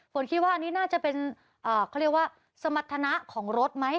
ผมคิดว่านี่น่าจะเป็นอ่าเขาเรียกว่าสมัทนาของรถไหม